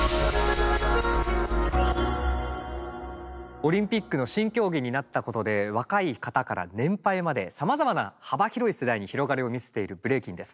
オリンピックの新競技になったことで若い方から年配までさまざまな幅広い世代に広がりを見せているブレイキンです。